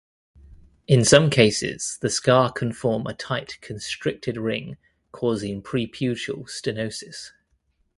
In some cases, the scar can form a tight constricted ring causing preputial stenosis.